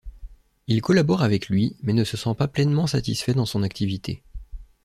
Il collabore avec lui, mais ne se sent pas pleinement satisfait dans son activité.